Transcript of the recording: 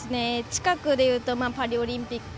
近くでいうとパリオリンピック